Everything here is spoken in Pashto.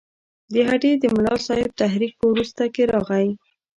د هډې د ملاصاحب تحریک په وروسته کې راغی.